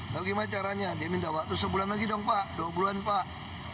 bagaimana caranya dia minta waktu sebulan lagi dong pak dua bulan pak